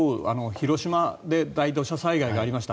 広島で大土砂災害がありました。